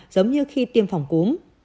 giống như khi tiêm phòng cúm